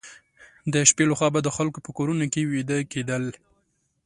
د شپې لخوا به د خلکو په کورونو کې ویده کېدل.